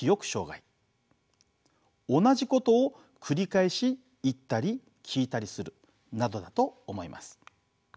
同じことを繰り返し言ったり聞いたりするなどだと思います。